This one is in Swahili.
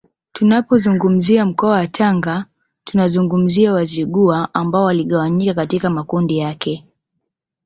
Tunapozungumzia mkoa wa Tanga tunazungumzia Wazigua ambao waligawanyika katika makundi yake